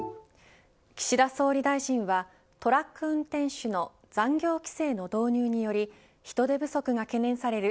岸田総理大臣はトラック運転手の残業規制の導入により人手不足が懸念される